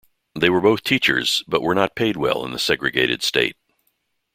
They were both teachers, but were not paid well in the segregated state.